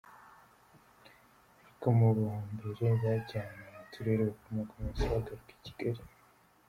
Ariko mu ba mbere bajyanwe mu turere bakomokamo bahise bagaruka i Kigali.